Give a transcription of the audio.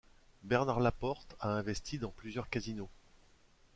Bernard Laporte a investi dans plusieurs casinos.